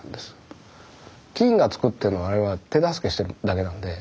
菌が造ってるのをあれは手助けしてるだけなんで。